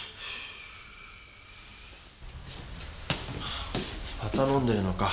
ハァまた飲んでるのか。